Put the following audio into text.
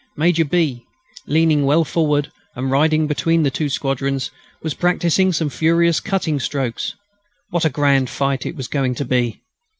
Major B., leaning well forward, and riding between the two squadrons, was practising some furious cutting strokes. What a grand fight it was going to be!